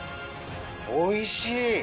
おいしい！